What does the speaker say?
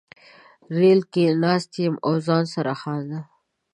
ریل کې ناست یم او ځان سره خاندم